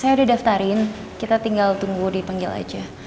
saya udah daftarin kita tinggal tunggu dipanggil aja